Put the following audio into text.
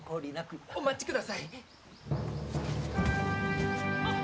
お待ちください！